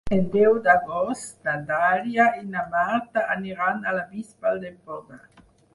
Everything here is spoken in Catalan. El deu d'agost na Dàlia i na Marta aniran a la Bisbal d'Empordà.